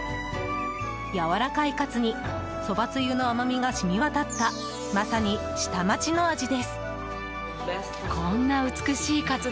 やわらかいカツにそばつゆの甘みが染み渡ったまさに、下町の味です。